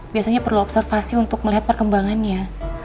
biasanya perlu observasi untuk melihat perkembangannya